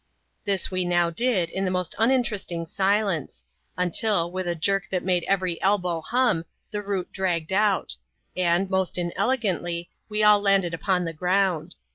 This we now did, in the most uninteresting silence ; until, with a jerk that made every elbow hum, the root dragged out ; and, most inelegantly, we all landed upon the ground.